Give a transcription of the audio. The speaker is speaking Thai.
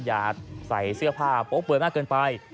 อย่าใส่เสื้อผ้าโป๊เปลือยมากเกินไป